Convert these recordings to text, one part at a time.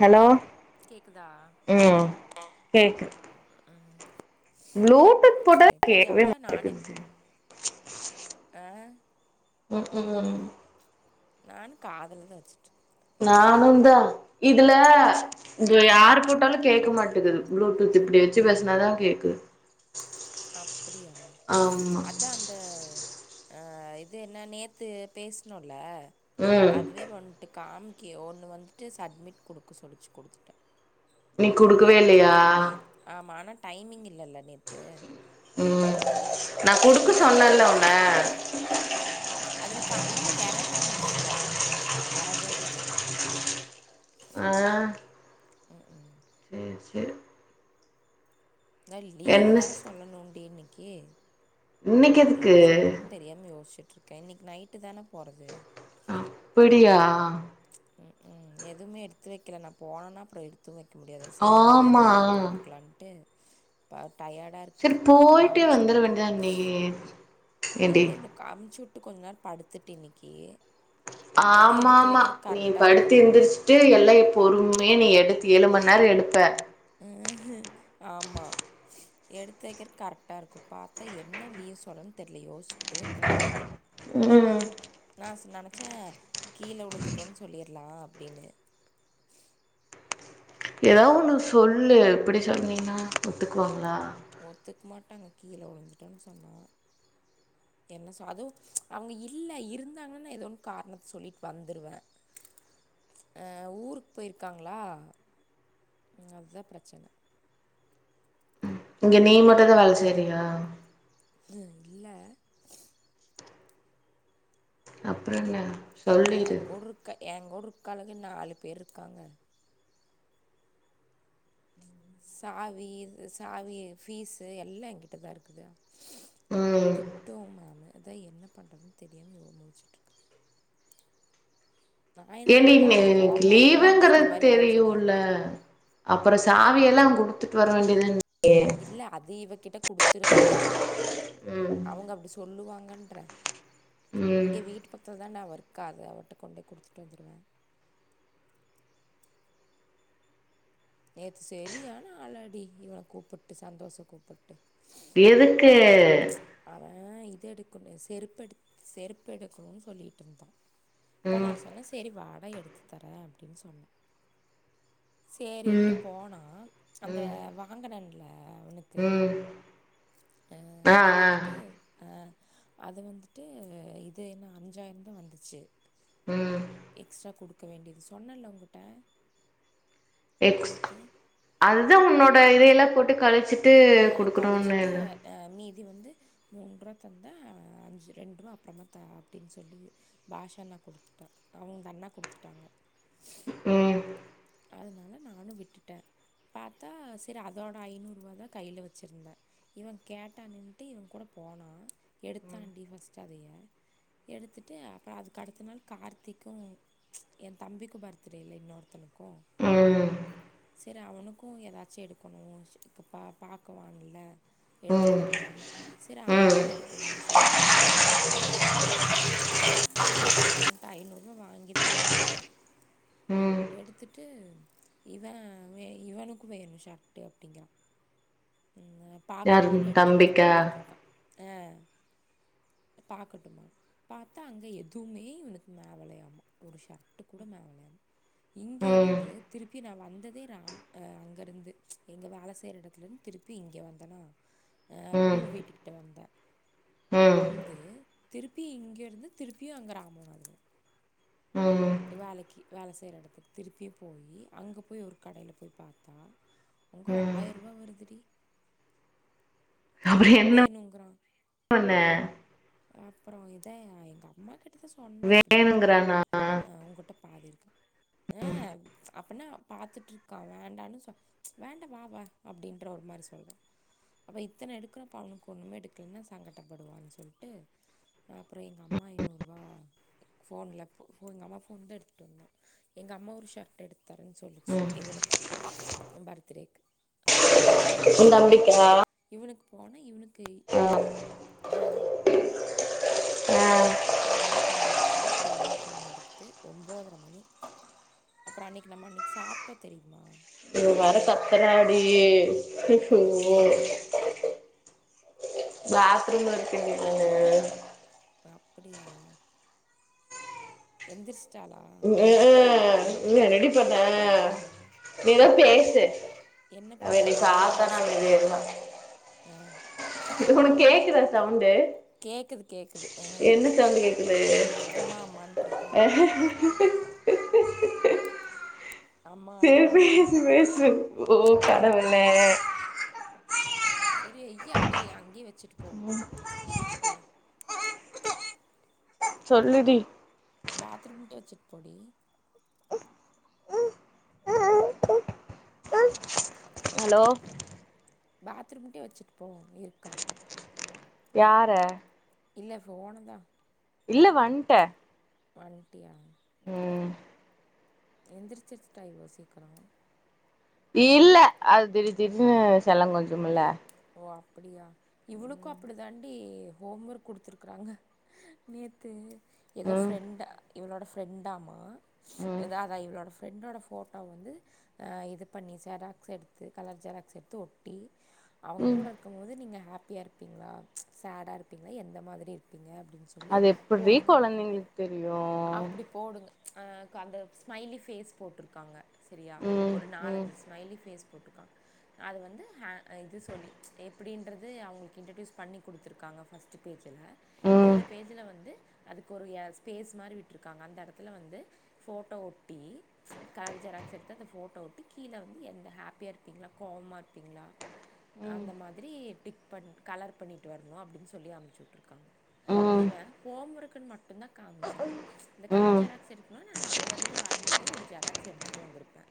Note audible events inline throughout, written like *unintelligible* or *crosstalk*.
hello கேக்குதா ம் கேக்குது ம் ப்ளூடூத் போட்ட எப்டி கேட்கவே அதா நானு மாட்டக்குது ஆ *unintelligible* நான் காதலதா வச்சுட்டு நானும் தா இதுல இங்க யாரு போட்டாலு கேட்க ம் மட்டதது ப்ளூடூத் இப்டி வச்சு பேசுனாதா கேக்குது அப்டியா ஆமா அதா அந்த அ இது என்ன நேத்து பேசுனோ இல்ல ம் அதுவே வன்டு காம்கியோனு வந்துட்டு சட்மிட் குடுக்க சொல்லிச்சு குடுத்துட்ட நீ குடுக்கவே நல்லருக் இல்லையா நேத் டயட் ஆமா ஆனா டைமிங் இல்லல்ல நேத்து ம் நா குடுக்க சொன்னல்ல உன்ன அதுல கா இதுல எர்ரர்ரா இருந்துச்சுல வரவே இல்லல்ல ஆ ம் ம் செர் செர் அதா லீவ் வேற சொல்லணும் டி இன்னிக்கு கே இன்னைக்கு எதுக்கு என்ன சொல்றதுன்னு தெரியாம யோச்சு க்கே இன்னிக்கு நைட்டு தான போறது பிடியா ம்ம் எதுமே எடுத்து வைக்கல நா போனன்னா அப்புறோ எடுத்து வைக் க்க முடியாது சேரி நீலருந்து லீவ் ஆமா போட்டுக்கலான்ட்டு பாத் சேர் போயிட்டே வந்துர வேண்டியதான நியே இல்ல இவ்காமுச்சு கொஞ்ச நேரோ படுத்துட்டு இன்னிக்கு ஆமா ஆமா நீ படுத்து இருக்குமா இருந்திரச்சிட்டு எல்லா பொறுமையே நீ எடுத் ஏழு மணி நேரோ எடுப்பே ஆமாம் எடுத்து வைக்கிறக் கரெக்டா இருக்கு பாத்தா என்ன லீவ் சொல்லுனு தெரியலயோஸ் டே க்கிறாரத்தா ம் நா நெனச்சே கீழ விழுந்துட்டோ சொல்லிர்லா அப்பிடின்னு ஏதா ஒன்னு சொல்லு இப்பிடி சொன்னீன்னா ஒத்துக்குவாங்களா ஒத்துக்க மாட்டாங்க கீழவுழுந்துட்டோன் சொன்னா என்ன சொ அதுவு அவங்க இல்ல இருந்தாங்கனா ஏதோன் காரணத்த சொல்லிட் வந்துருவே ஆ ஊருக்கு போயிருக்காங்களா அதுதா பிரச்சன இங்க நீ் மட்டுதா வேல செய்றியா ம் இல்ல அப்புறோ என்ன ஏ சொல்லிரு கூடுருக்க ஏ கூடுரு கழகு நாலு பேர் இருக்காங்க சாவி சாவி ஃபீஸு எல்லா என்கிட்ட தா இருக்குதா ம் திட்டுவு மேமு அதா என்ன பண்ணுறதுன்னு தெரியாம யோ முலுச்சுட்டுருக்கே ஏன்டி நீ இன்னிக்கு இந்த லீவுங்கிறது மாதிரி பிரச்சனை தெரியுல்ல ஆகுது அப்புறோ சா வி எல்லா குடுத்துட்டு வர வேண்டியதுதன இல்ல அது இவகிட்ட குடுத்துருவே ம் அவங்க அப்பிடி சொல்லுவாங்க ன்ட்ற ம் இங்க வீட்டு பத்தல் வேண்டா ஒர்க்காத அவட்ட கொண்டோய் குடுத்துட்டு வந்துருவே நேத்து சேரியனா ஆளடி இவன கூப்புட்டு சந்தோஷ கூப்புட்டு எதுக்கு அவ இது எடுக்கு முடியாது செருப்பு எடு செருப்பு எடுக்கணுன் சொல்லிட்டு இருந்தா இப்ப நா ம் சொன்னே சேரி வாட எடுத்து தரே அப்பிடின்னு சொன்னே சோரின்ட்டு ம் போனா அந்த ம் வாங்குனங்கல உனக்கு ம் ஆ அது அது வந்துட்டு அது வந்துட்டு இது என்ன அஞ்சாயிரோ தா வந்துச்சு ம் எக்ஸ்ட்ரா கொடுக்க வேண்டியது சொன்னேன்ல உங்கிட்ட எக்ஸ் நேத்து அதுதா உன்னோட் ஆ இதையெல்லா போட்டு கழிச் ஆ கழச்சிட்டு அ மீதி வந்து மூன்றுரூவா தந்தே அஞ்சு ரெண்டுரூவா அப்புறமா த அப்டின்னு சொல்லி பாஷாண்ணா கொடுத்துட்டே அவங்க அண்ணா கொடுத்துட்டாங்க உ அதனால நானு விட்டுட்டே பாத்தா சரி அதோட ஐநூறுருபவா கையில வச்சுருந்தே இவ கேட்டான்னட்டு இவ கூட போனா எடுத்தான்டி ஃபர்ஸ்ட்டு *inaudible* தாண்ட எடுத்துட்டு அதுக்கு அடுத்த நாள் கார்த்திக்கு எ தம்பிக்குபர்த்டே இல்லை இன்னொருத்தனு போ ம் சரி அவனுக்கு ஏதாச்சு எடுக்கணு இப்ப பாக்கலால எடுத்துட்டு ம் வரலையானு சரி ம் அவனுக்கு எடுக்கணுமேனு சொல்லிட்டு ஒரு ஷர்ட்ட் அவனுக்கு ஒண்ண இவன்ட்ட அவனிட்ட ஐநூறு ரூபா வாங்கிதா எடுத்தே ம் எடுத்துட்டு இவ இவனுக்கு வேணு ஷர்ட்டு அப்டிங்கிறா யாரு பாக்கட்டுமானு எடுத்து எடுத்து தம்பிக்கா பாத்துட்டுருக்கா ஆ பாக்கட்டு பாத்தா அங்கே எதுவுமே இவனுக்கு *inaudible* ஒரு ஷர்ட்டு கூட *inaudible* ம் இங்கிருந்து திருப்பி நா வந்ததே ராம அங்க இருந்து எங்க வேலை செய்யிற எடத்துல இருந்து திருப்பி இங்கே வந்தேன்னா அ பூ ம் வீட்டுக்கிட்ட வந்தே ம் வந்து திருப்பி இங்கிருந்து திருப்பியு அங்க ராமநாதோ ம் வேலைக்கு வேலை செய்யற எடத்துக்கு திருப்பியு போய் அங்க போய் ஒரு கடையில போய் பாத்தா அங்க ம் ஆயிரம் ரூவா வருதுடி அப்றோ என்ன பண்ண அப்பறோ இதா எங்க அம்மா கிட்ட சொன்னே இப்பிடின்றாம்மா வேணுங்கறானா உங்கிட்ட பாதி இருக்கன் ஹ அப்பனா பாத்துட்டு இருக்க *inaudible* *inaudible* ம் *inaudible* அதனால எடுத்துக்கோன்னு உதம்பிக்கா இவனுக்கு போனா இவனுக்கு *inaudible* ஆ அப்புற அவனு கொண்ணு எடுத்துட்டு அப்பறோ ஈவனுக்கு ஒன்னு எடுத்துகிட்டு ஒன்ம்போதரை மணி அப்றோ அன்னைக்கு நம்ம அன்னைக்கு சாப்பிட்டோ தெரியுமா இ வர கத்துராடி அய்யோ ம் பாத்ரூம்ல இருக்கேண்டி நானு அப்படியா எந்திரிச்ச்டா உ ஆ ஆ இன்ன நெடிப்பு *unintelligible* வேன ஐயோ நீதா பேச ச்சு என்ன அவ பண்ண என்னய நான் இதை பாத்தானா பேசிக்கிறேன் அமைதிஆய்ருவா ஒரு ஆ இது ஒனக்கு கேக்குதா சவுண்டு கேட்குது கேட்குது ஆ என்ன சவுண்ட்டு கேக்குது அம்மா அம்மான்ட்டு இருக்கா அஹ ஹ *inaudible* அம்மா சேரி அம்மாவான்ட்டு பேசு ஓ கனவ ல்ல சேரி ஐயா அப்டியே அங்கேயே வச்சுட்டு போ பேசிக்கிட்டே சொல்லுடி பாத்ரூம் பூட வச்சுட் போடி ஹலோ பாத்ரூம்ட்டே வச்சுட்டு போவோ இருக்கா யார இல்ல ஃபோனதா இல்ல வண்ட்டே பன்ட்டியா உ எந்திரிச்சிர்சி டைம் *unintelligible* இல்ல அது திடீர் திடீர்னு செல்லோ கொஞ்சு இல்ல ஓ அப்டியா இவளுக்கு அப்டி தாண்டி ஹோம் ஒர்க் கொடுத்துருக்குறாங்க நேத்து ஏதோ ம் ஃப்ரெண்ட இவளோட ஃப்ரெண்டாமா ம் இந்த ஆத இவளோட ஃப்ரெண்டோட ஃபோட்டோ வந்து இது பண்ணி ஜெராக்ஸ் எடுத்து கலர் ஜெராக்ஸ் எடுத்து ஒட்டி அவங்க ம் கூட இருக்கு போது நீங்க ஹாப் ஹாப்பியாக இருப்பீங்களா சேடா இருப்பீங்களா எந்த மாதிரி இருப்பீங்க அப்டி அது எப்பிட்ரி கொழந்தைங்களுக்கு தெரியு ஆ க அந்த ஸ்மைலி ஃபேஸ் போட்ருக்காங்க சரியா ம் ஒரு ம் நாலஞ்சு ஸ்மைலி ஃபேஸ் அது வந்து ஹே இது தோழி எப்டின்றது அவங்களுக்கு இன்ட்ரடியூஸ் பண்ணி கொடுத்துருக்காங்க ஃபஸ்ட்டு பேஜ் *unintelligible* ம் இந்த பேஜ்ல வந்து அதுக்கு ஒரு ஸ்பேஸ் மாதிரி விட்டுருக்காங்க அந்த எடத்துல வந்து ஃபோட்டோ ஒட்டி கலர் ஜெராக்ஸ் எடுத்து அந்த ஃபோட்டோ ஒட்டி கீழே வந்து எந்த ஹாப்பியாக இருப்பீங்களா கோவமாக இருப்பீங்களா ம் அந்த மாதிரி டிக் பண் கலர் பண்ணிட்டு வர்ணு அப்டின் சொல்லி அமுச்சு விட்ருக்காங்க ம் இவ ஹோம் ஒர்க்குன் மட்டுந்தா காமிச்சா இந்த கலர் ம் ஜெராக்ஸ் எடுக்கனுனா நா அங்கருந்து வரம்மோதே ஒரு ஜெராக்ஸ் எடுத்துட்டு வந்துருப்பே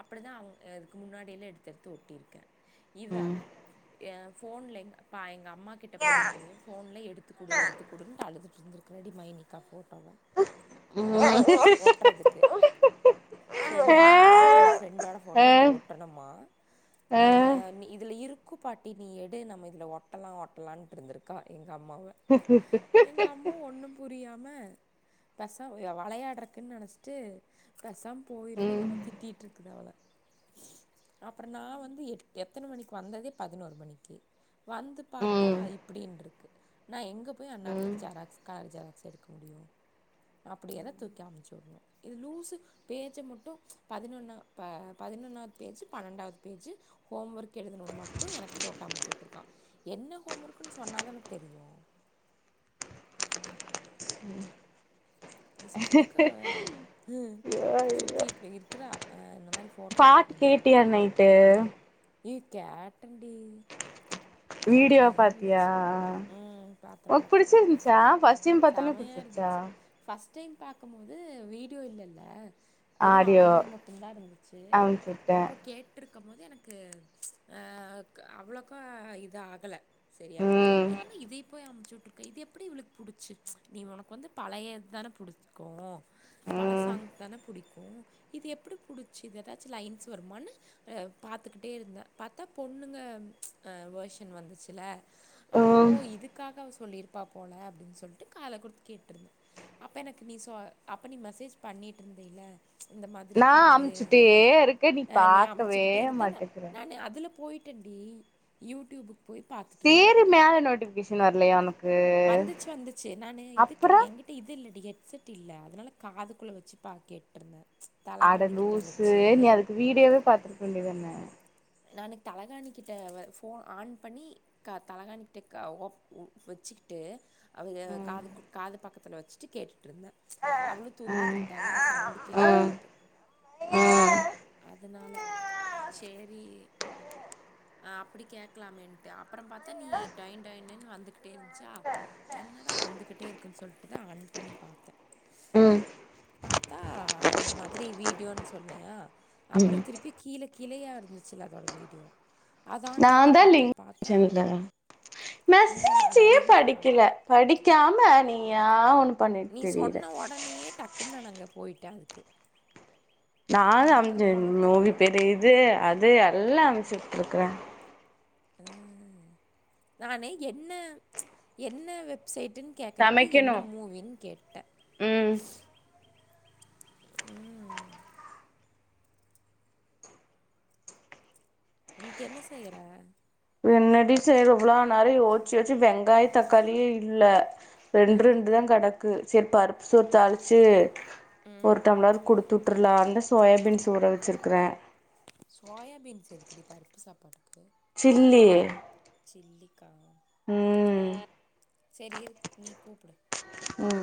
அப்புடிதா அவ் இதுக்கு முன்னாடியெல்லா எடுத்து எடுத்து ஒட்டிருக்கே இவெ ம் எ ஃபோன்ல எங் பா எங்க ம்மா கிட்ட போயிட்டு ஃபோன்ல எடு த்துக் குடு எடுத்துக் குடுன்ட்டு அழுதுட்ருந்துருக்குறா டி மைனிகா ஃபோட்டோவ ஒட்றதுக்கு ஆ ஃப்ரெண்டாமா அந்த ஃப்ரெண்டோட ஃபோட்டோ அதுல ஆ ஒட்டனுமா ஆ‌ ம் நி இதுல இரு க்கு பாட்டி நீ எடு நம்ம இதுல ஒட்டலா ஒட்டலான்ட்ருந்துருக்கா எங் கம்மாவ எங்கம்மா ஒன்னும் புரியா ம பச வளயாட்றக்குன் நனச்ட்டு பெசாம் போயிர்னு எங்கம்மா திட்டீட்ருக்குது அவள அப்ற நா வந்து எட் எத்தன மணிக்கு வந்ததே பதினோரு மணிக்கு வந்து பாத்தா ம் இப்புடின்ருக்கு நா எங்க போய் ம் அந்நேரத்துக்கு ஜெராக்ஸ் கலர் ஜெராக்ஸ் எடுக்க முடியு அப்புடியேத தூக்கி அமிச்சுவுட்னு இது லூஸு பேஜ மட்டு பதினொன்னா ப பதினொன்னாது பேஜு பன்னெண்டாவுது பேஜு ஹோம் ஒர்க் எழுதணுன் மட் டு எனக்கு ஃபோட்டோ அமுச்சுட்ருக்கா என்ன ஹோம் ஒர்க்குன் சொன்னாதான தெரியு இஷ்டத்துக்காவ ஹ சுத்தி இருக்குறா இந்த மாரி பாட்டு கேட்டியா நைட்டு இ கேட்டன்டி வீடியோ பாத்தியா ம் பாத்தே ஒனக் பாத்தே புடுச்சிருந்துச்சா ஃபஸ்ட் டைம் பாத்தோனெ செமையா புடுச்சிருச்சா இருந்துச்சு ஃபஸ்ட் டைம் பாக்கும்போது வீடியோ இல்லல்ல வெறு ஆடியோ மட்டுந்தா இருந்துச்சு அனுப்ச்சுட்டே அப்ப கேட்ரு க்கம்மோது எனக் கு ஆ அவ்ளக்கா இது ஆகல செரியா ம் என்ன இதே போய் அமுச்சு விட்ருக்க இது எப்பிடி இவளுக் புடுச்சு நீ ஒனக்கு வந்து பழைய தான புடிக்கு பழ ம் சாங்ஸ் தான புடிக்கு இது எப்டி புடுச்சு இது எதாச்சு லைன்ஸ் வருமான்னு அ பாத்துக்கிட்டே இருந்தே பாத்தா பொண்ணுங்க அ வெர்ஷன் வந்துச்சுல்ல அப்ப ஓ ம் இதுக்காக அவ சொல்லியிருப்பா போல அப்டின் சொல்ட்டு காத குடுத்து கேட்ருந்தே அப்ப எனக்கு நீ சொ அப்ப நீ மெசேஜ் பண்ணிட்ருந்தைல நா அமுச்சுட்டே இருக்கே நீ பாக்கவே டே இருந்தன மாட்டேக்கிற நானு அதுல போயிட்டன்டி யூடியூபு சேரி மேல நோட்டிபிகேஷன் வர்லயா ஒனக் வந்துச்சு வந்துச்சு நானு இதுக்கு அப்பறோ என்கிட்ட இது இல்லடி கே கெட் செட் இல்ல அதனால காது குள்ள வச்சு பா கேட்டிருந்தே அட லூசு நீ அதுக்கு வீடியோவே பாத்திருக்க வேண்டியதுதான நானு தலகாணிக்கிட்ட ஃபோன் ஆன் பண்ணி க தலகாணிக்கிட்ட ஓ வச்சுக்கி ட்டு அவுங்க காது காது பக்க வச்சிட்டு கேட்டு இருந்தே அவளு தூங்கிட்டு இருந்தாலா சவுண்ட் கேக்கும்ட்டு அதனால சேரி அ அப்டி கேக்கலாம்ன்ட்டு அ அப்றோ பாத்தா நீ டொய் டொய்னு வந்து வந்துகிட்டே இருந்துச்சா என்னடா வந்துகிட்டே இருக்குன்னு சொல்லிட்டுதா ஆன் பண்ணி பார்த்தே உம் பாத்தா அந்த மாதிரி வீடியோன்னு சொன்னயா அப்றோ திருப்பி கீழ கிழையா இருந்துச்சுல அதோட வீடியோ அதை ஆன் பண்ணி பார்த்தேன் பார்த்தா ஆ நானா *unintelligible* லிங்க பாக்கல படிக்காம நீயா ஒன்னு நீ சொன்ன உடனயே டக்குன்னு நாங்க போயிட்டா இருக்கு நான் அஞ்சு நோவி பெரிய இது அது எல்லா அமைச்சுது இருக்குறே உம் நானே என்ன என்ன வெ வெப்சைட்டுன்னு கேட்குறக்கு என்ன சமைக்கணு மூவின்னு கேட்ட ம் உனக்கு என்ன செய்யற என்னடி செய் இவ்ளோ நேரோ யோச்ச்சு யோச்ச்சு வெங்காய தக்காளியே இல்ல ரெண்டு ஆ ரெண்டு தா கெடக் க்கு சரி பருப்பு சோறு தாழிச்சு ஒரு டம்ளர் குடுத்து சுற்றுலா அந்த சோயாபீன்ஸ் ஊர வச்சிருக்குறே சோயாபீன்ஸ் எதுக்குடி பருப்பு சாப்பாடுக்கு சில்லி சில்லி உம் சரி இரு நீ கூப்புடு உம்